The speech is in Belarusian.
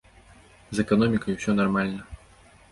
З эканомікай усё нармальна.